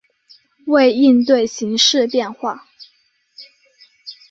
为应对形势变化